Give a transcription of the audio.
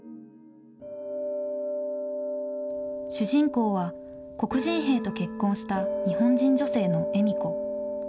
主人公は、黒人兵と結婚した日本人女性の笑子。